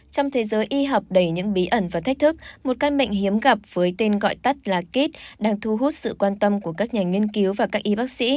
trong thế giới y học đầy những bí ẩn và thách thức một căn bệnh hiếm gặp với tên gọi tắt là kit đang thu hút sự quan tâm của các nhà nghiên cứu và các y bác sĩ